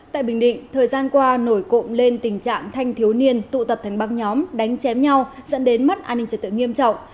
tại bình định thời gian qua nổi cộng lên tình trạng thanh thiếu niên tụ tập thành băng nhóm đánh chém nhau dẫn đến mất an ninh trật tự nghiêm trọng